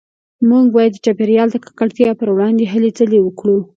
موږ باید د چاپیریال د ککړتیا پروړاندې هلې ځلې وکړو